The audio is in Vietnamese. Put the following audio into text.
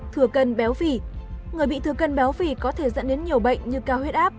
thừa cân béo phì người bị thừa cân béo phì có thể dẫn đến nhiều bệnh như cao huyết áp